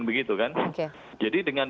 begitu kan jadi dengan